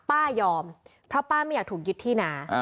ป้ายอมเพราะป้าไม่อยากถูกยึดที่นา